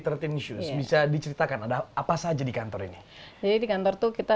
terting sus memiliki dua puluh satu karyawan yang terdiri dari lima belas orang produksi